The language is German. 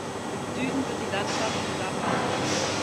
Im Süden wird die Landschaft flacher.